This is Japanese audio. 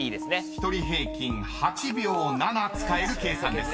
［１人平均８秒７使える計算です。